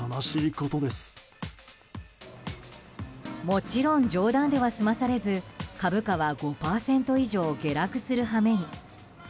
もちろん冗談では済まされず株価は５％以上下落するはめに。